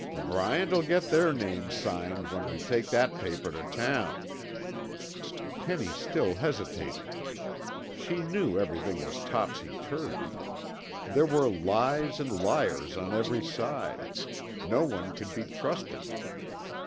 "Bryant'll get their names signed when we take that paper to town." Penny still hesitated. She knew everything was topsy turvy. There were lies and liars on every side; no one could be trusted.